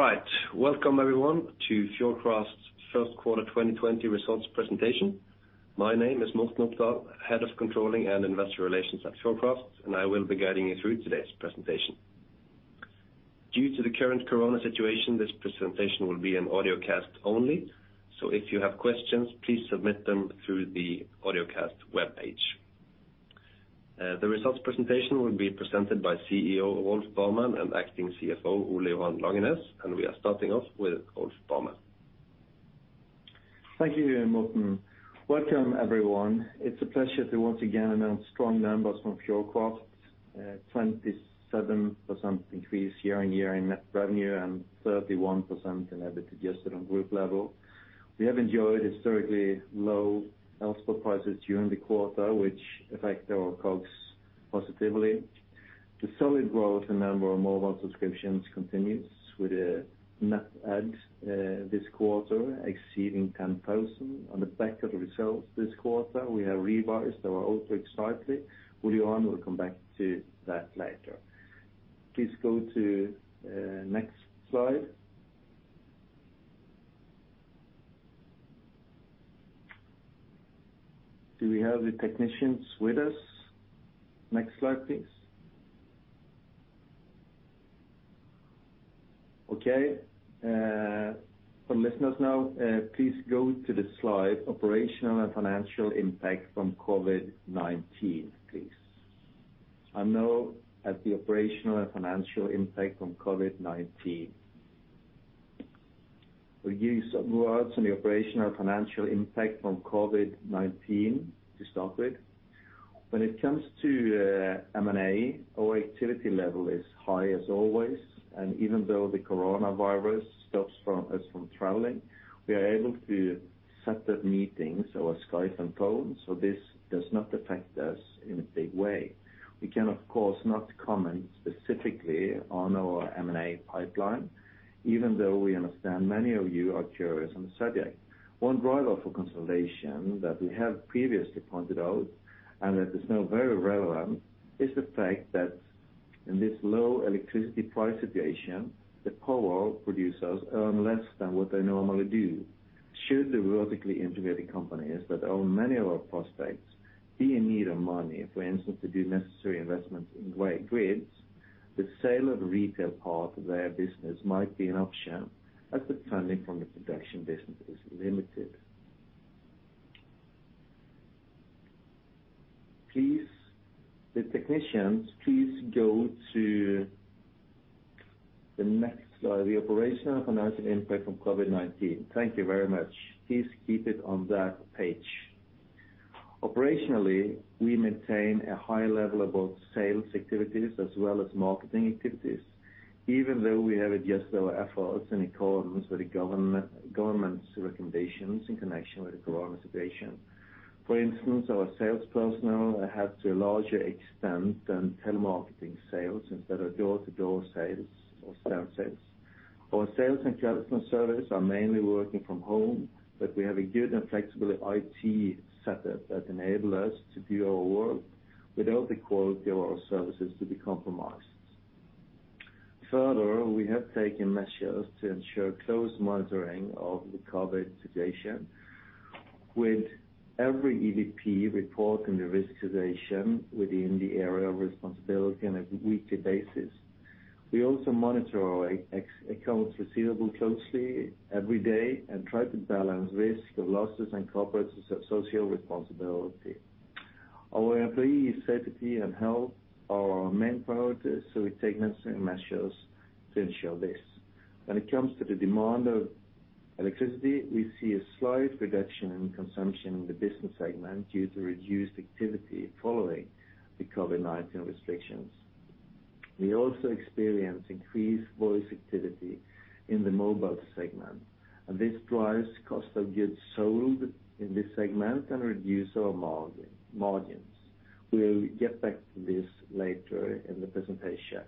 All right. Welcome, everyone, to Fjordkraft's First Quarter 2020 Results Presentation. My name is Morten Opdal, Head of Controlling and Investor Relations at Fjordkraft, and I will be guiding you through today's presentation. Due to the current corona situation, this presentation will be an audio cast only, so if you have questions, please submit them through the audio cast webpage. The results presentation will be presented by CEO Rolf Barmen and Acting CFO Ole Johan Langenes. We are starting off with Rolf Barmen. Thank you, Morten. Welcome everyone. It's a pleasure to once again announce strong numbers from Fjordkraft. 27% increase year-on-year in net revenue and 31% in EBITDA adjusted on group level. We have enjoyed historically low Elspot prices during the quarter, which affect our costs positively. The solid growth in the number of mobile subscriptions continues with net adds this quarter exceeding 10,000. On the back of the results this quarter, we have revised our outlook slightly. Ole Johan will come back to that later. Please go to next slide. Do we have the technicians with us? Next slide, please. Okay. For listeners now, please go to the slide Operational and Financial Impact from COVID-19, please. I'm now at the operational and financial impact from COVID-19. We'll give some words on the operational and financial impact from COVID-19 to start with. When it comes to M&A, our activity level is high as always, and even though the coronavirus stops us from traveling, we are able to set up meetings over Skype and phone, so this does not affect us in a big way. We can, of course, not comment specifically on our M&A pipeline, even though we understand many of you are curious on the subject. One driver for consolidation that we have previously pointed out and that is now very relevant, is the fact that in this low electricity price situation, the power producers earn less than what they normally do. Should the vertically integrated companies that own many of our prospects be in need of money, for instance, to do necessary investments in grids, the sale of the retail part of their business might be an option as the funding from the production business is limited. Please, the technicians, please go to the next slide, the operational and financial impact from COVID-19. Thank you very much. Please keep it on that page. Operationally, we maintain a high level of both sales activities as well as marketing activities, even though we have adjusted our efforts in accordance with the government's recommendations in connection with the COVID-19 situation. For instance, our sales personnel had to a larger extent than telemarketing sales instead of door-to-door sales or stand sales. Our sales and customer service are mainly working from home, we have a good and flexible IT setup that enable us to do our work without the quality of our services to be compromised. Further, we have taken measures to ensure close monitoring of the COVID situation. With every EVP reporting the risk situation within the area of responsibility on a weekly basis. We also monitor our accounts receivable closely every day and try to balance risk of losses and corporate social responsibility. Our employee safety and health are our main priorities, so we take necessary measures to ensure this. When it comes to the demand of electricity, we see a slight reduction in consumption in the business segment due to reduced activity following the COVID-19 restrictions. We also experience increased voice activity in the mobile segment, and this drives cost of goods sold in this segment and reduce our margins. We'll get back to this later in the presentation.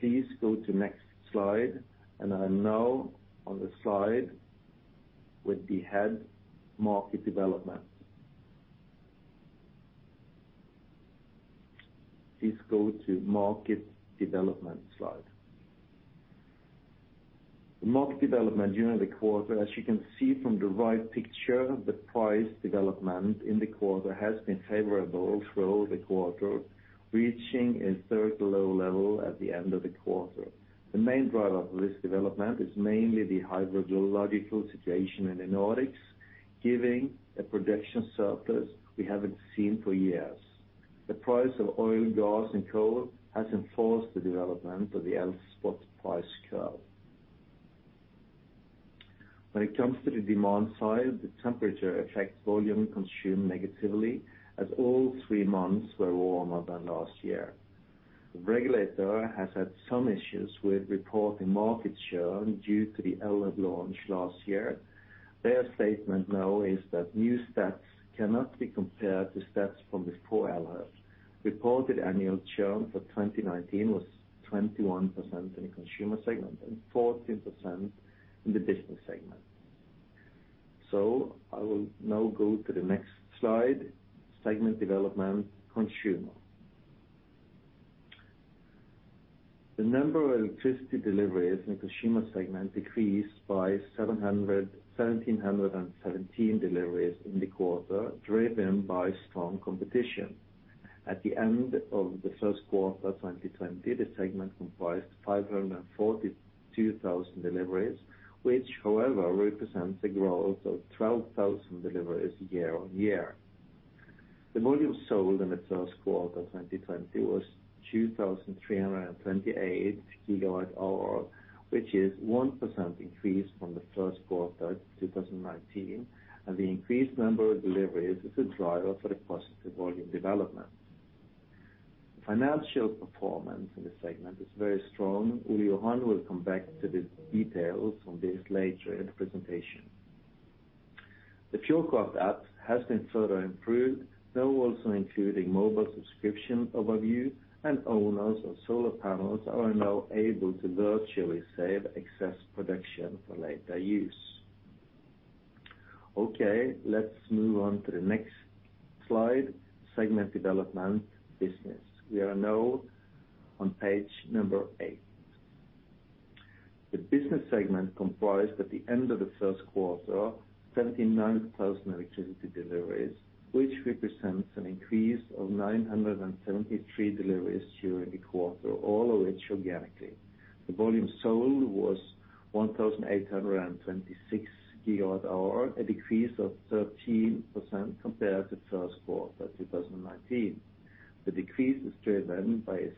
Please go to next slide. I'm now on the slide with the head market development. Please go to market development slide. The market development during the quarter. As you can see from the right picture, the price development in the quarter has been favorable through the quarter, reaching a 30-year low level at the end of the quarter. The main driver of this development is mainly the hydrological situation in the Nordics, giving a production surplus we haven't seen for years. The price of oil, gas, and coal has enforced the development of the Elspot price curve. When it comes to the demand side, the temperature affects volume consumed negatively as all three months were warmer than last year. The regulator has had some issues with reporting market share due to the Elhub launch last year. Their statement now is that new stats cannot be compared to stats from before Elhub. Reported annual churn for 2019 was 21% in the consumer segment and 14% in the business segment. I will now go to the next slide, segment development consumer. The number of electricity deliveries in the consumer segment decreased by 1,717 deliveries in the quarter, driven by strong competition. At the end of the first quarter 2020, the segment comprised 542,000 deliveries, which however represents a growth of 12,000 deliveries year-on-year. The volume sold in the first quarter 2020 was 2,328 GWh, which is 1% increase from the first quarter 2019, and the increased number of deliveries is a driver for the positive volume development. Financial performance in this segment is very strong. Ole Johan will come back to the details on this later in the presentation. The Fjordkraft app has been further improved. They're also including mobile subscription overview, owners of solar panels are now able to virtually save excess production for later use. Okay, let's move on to the next slide. Segment development business. We are now on page eight. The business segment comprised at the end of the first quarter 79,000 electricity deliveries, which represents an increase of 973 deliveries during the quarter, all of which organically. The volume sold was 1,826 GWh, a decrease of 13% compared to first quarter 2019. The decrease is driven by a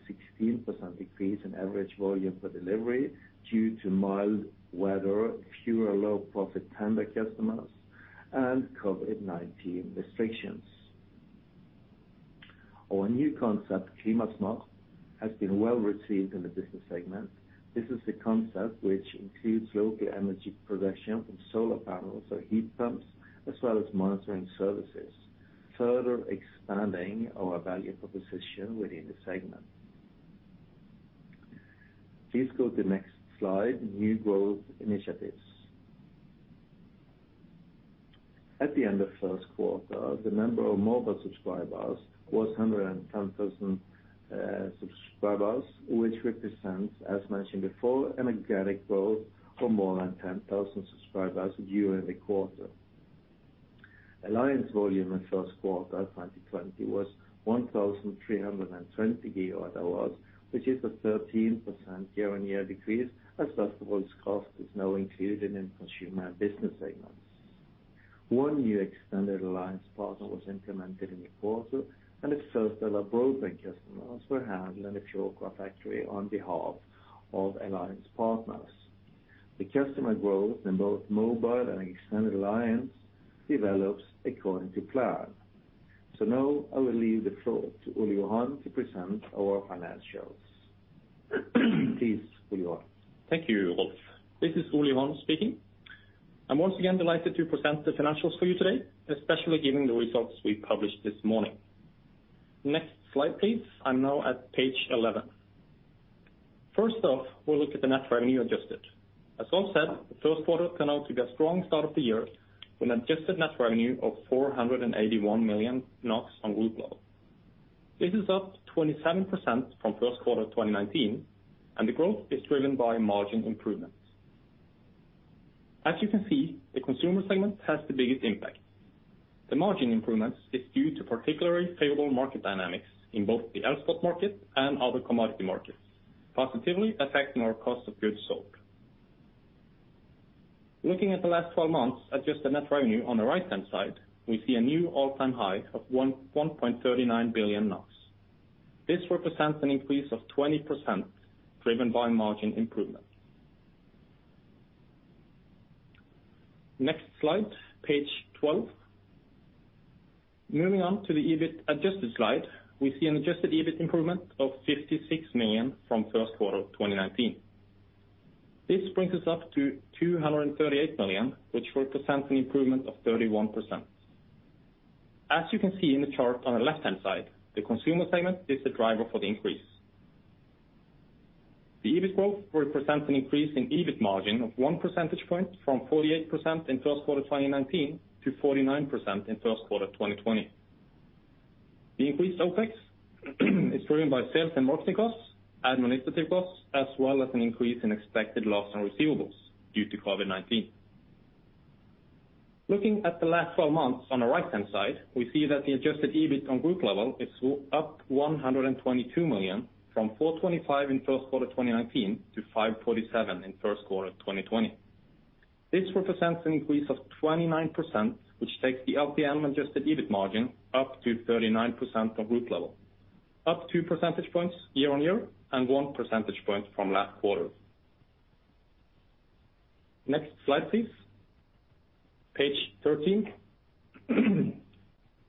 16% decrease in average volume per delivery due to mild weather, fewer low profit tender customers and COVID-19 restrictions. Our new concept, Klimasmart, has been well-received in the business segment. This is a concept which includes local energy production from solar panels or heat pumps, as well as monitoring services, further expanding our value proposition within the segment. Please go to the next slide. New growth initiatives. At the end of first quarter, the number of mobile subscribers was 110,000 subscribers, which represents, as mentioned before, an organic growth for more than 10,000 subscribers during the quarter. Alliance volume in first quarter 2020 was 1,320 GWh, which is a 13% year-on-year decrease as Fjordkraft's cost is now included in consumer and business segments. One new extended alliance partner was implemented in the quarter, and its first ever broadband customers were handled in the Fjordkraft factory on behalf of alliance partners. The customer growth in both mobile and extended alliance develops according to plan. Now I will leave the floor to Ole Johan to present our financials. Please, Ole Johan. Thank you, Rolf. This is Ole Johan speaking. I'm once again delighted to present the financials for you today, especially given the results we published this morning. Next slide, please. I'm now at page 11. First off, we'll look at the net revenue adjusted. As Rolf said, the first quarter turned out to be a strong start of the year, with adjusted net revenue of 481 million NOK on group level. This is up 27% from first quarter 2019, and the growth is driven by margin improvements. As you can see, the consumer segment has the biggest impact. The margin improvements is due to particularly favorable market dynamics in both the Elspot market and other commodity markets, positively affecting our cost of goods sold. Looking at the last 12 months adjusted net revenue on the right-hand side, we see a new all-time high of 1.39 billion NOK. This represents an increase of 20% driven by margin improvements. Next slide, page 12. Moving on to the EBIT adjusted slide, we see an adjusted EBIT improvement of 56 million from first quarter 2019. This brings us up to 238 million, which represents an improvement of 31%. As you can see in the chart on the left-hand side, the consumer segment is the driver for the increase. The EBIT growth represents an increase in EBIT margin of one percentage point from 48% in first quarter 2019 to 49% in first quarter 2020. The increased OPEX is driven by sales and marketing costs, administrative costs, as well as an increase in expected loss on receivables due to COVID-19. Looking at the last 12 months on the right-hand side, we see that the adjusted EBIT on Group level is up 122 million from 425 in first quarter 2019 to 547 in first quarter 2020. This represents an increase of 29%, which takes the LTM adjusted EBIT margin up to 39% on Group level, up two percentage points year-on-year and one percentage point from last quarter. Next slide, please. Page 13. In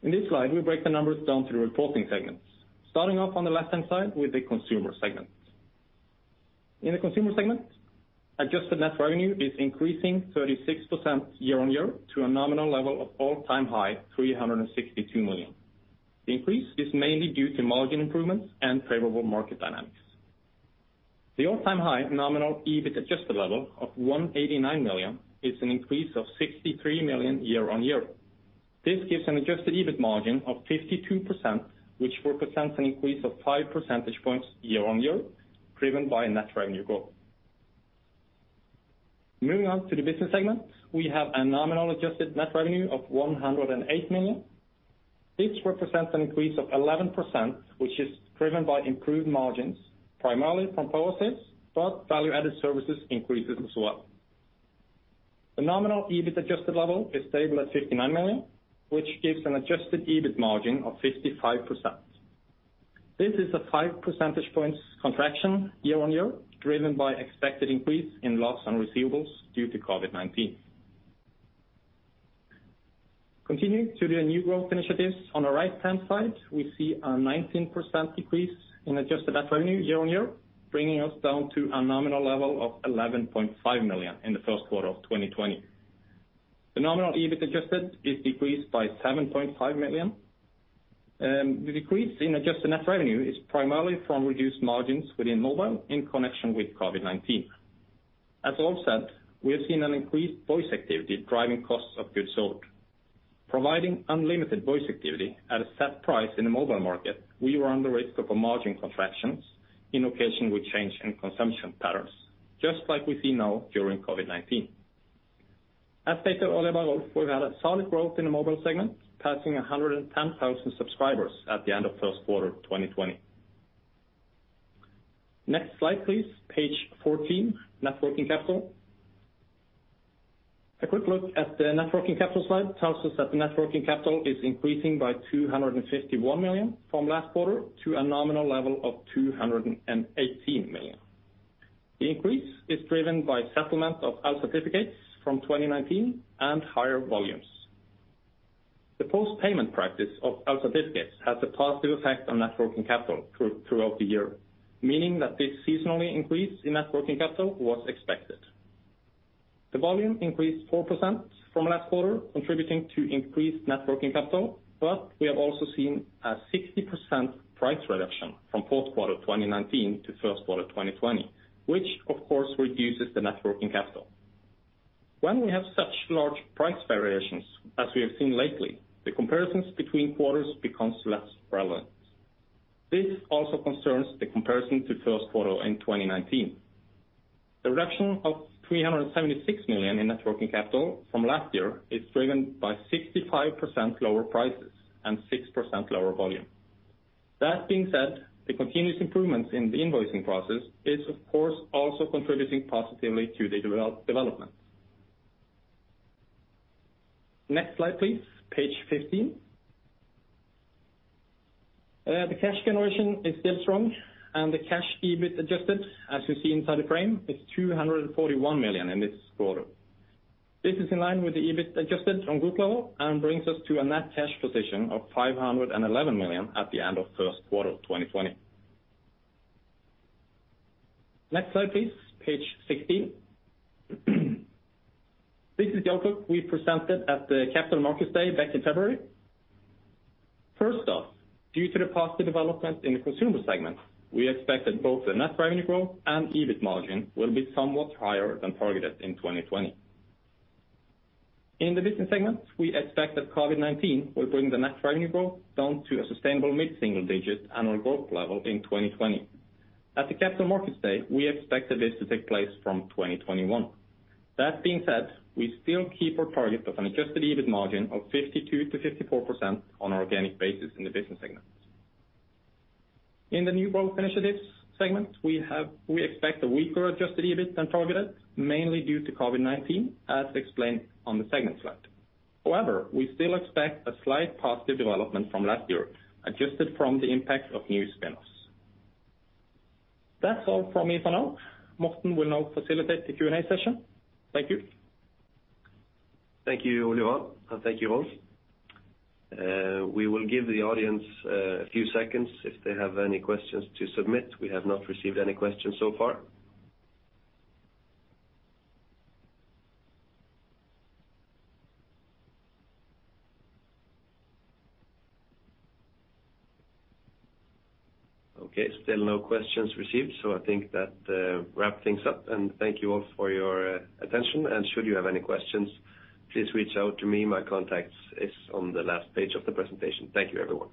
this slide, we break the numbers down to reporting segments. Starting off on the left-hand side with the consumer segment. In the consumer segment, adjusted net revenue is increasing 36% year-on-year to a nominal level of all-time high 362 million. The increase is mainly due to margin improvements and favorable market dynamics. The all-time high nominal EBIT adjusted level of 189 million is an increase of 63 million year-on-year. This gives an adjusted EBIT margin of 52%, which represents an increase of five percentage points year-on-year driven by net revenue growth. Moving on to the business segment, we have a nominal adjusted net revenue of 108 million. This represents an increase of 11%, which is driven by improved margins, primarily from power sales, but value-added services increases as well. The nominal EBIT adjusted level is stable at 59 million, which gives an adjusted EBIT margin of 55%. This is a five-percentage points contraction year-on-year driven by expected increase in loss on receivables due to COVID-19. Continuing to the new growth initiatives. On the right-hand side, we see a 19% decrease in adjusted net revenue year-on-year, bringing us down to a nominal level of 11.5 million in the first quarter of 2020. The nominal EBIT adjusted is decreased by 7.5 million. The decrease in adjusted net revenue is primarily from reduced margins within mobile in connection with COVID-19. As I said, we have seen an increased voice activity driving costs of goods sold. Providing unlimited voice activity at a set price in the mobile market, we run the risk of a margin contractions in occasion with change in consumption patterns, just like we see now during COVID-19. At stated, Fjordkraft, we've had a solid growth in the mobile segment, passing 110,000 subscribers at the end of first quarter 2020. Next slide, please. Page 14, net working capital. A quick look at the net working capital slide tells us that the net working capital is increasing by 251 million from last quarter to a nominal level of 218 million. The increase is driven by settlement of el-certificates from 2019 and higher volumes. The post-payment practice of el-certificates has a positive effect on net working capital throughout the year, meaning that this seasonally increase in net working capital was expected. Volume increased 4% from last quarter, contributing to increased net working capital, but we have also seen a 60% price reduction from fourth quarter 2019 to first quarter 2020, which of course reduces the net working capital. When we have such large price variations as we have seen lately, the comparisons between quarters becomes less relevant. This also concerns the comparison to first quarter in 2019. The reduction of 376 million in net working capital from last year is driven by 65% lower prices and 6% lower volume. That being said, the continuous improvements in the invoicing process is of course also contributing positively to the development. Next slide, please. Page 15. The cash generation is still strong and the cash EBIT adjusted, as you see inside the frame, is 241 million in this quarter. This is in line with the EBIT adjusted on group level and brings us to a net cash position of 511 million at the end of first quarter 2020. Next slide, please. Page 16. This is the outlook we presented at the Capital Markets Day back in February. First off, due to the positive development in the consumer segment, we expect that both the net revenue growth and EBIT margin will be somewhat higher than targeted in 2020. In the business segment, we expect that COVID-19 will bring the net revenue growth down to a sustainable mid-single digit annual growth level in 2020. At the Capital Markets Day, we expected this to take place from 2021. That being said, we still keep our target of an adjusted EBIT margin of 52%-54% on organic basis in the business segment. In the new growth initiatives segment, we expect a weaker adjusted EBIT than targeted, mainly due to COVID-19, as explained on the segment slide. However, we still expect a slight positive development from last year, adjusted from the impact of new spin-offs. That's all from me for now. Morten will now facilitate the Q&A session. Thank you. Thank you, Ole Johan, and thank you, Rolf. We will give the audience a few seconds if they have any questions to submit. We have not received any questions so far. Okay, still no questions received, I think that wrap things up. Thank you all for your attention. Should you have any questions, please reach out to me. My contact is on the last page of the presentation. Thank you, everyone.